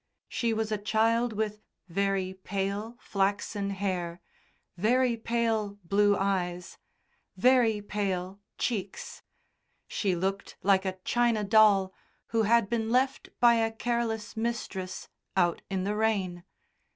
She was a child with very pale flaxen hair, very pale blue eyes, very pale cheeks she looked like a china doll who had been left by a careless mistress out in the rain.